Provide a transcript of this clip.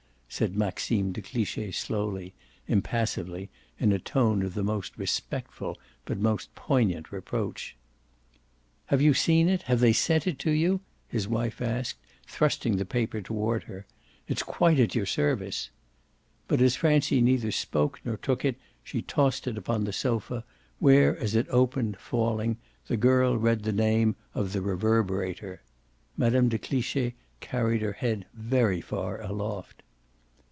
said Maxime de Cliche slowly, impressively, in a tone of the most respectful but most poignant reproach. "Have you seen it have they sent it to you ?" his wife asked, thrusting the paper toward her. "It's quite at your service!" But as Francie neither spoke nor took it she tossed it upon the sofa, where, as it opened, falling, the girl read the name of the Reverberator. Mme. de Cliche carried her head very far aloft.